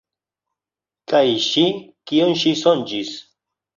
Kaj ŝi, kion ŝi sonĝis?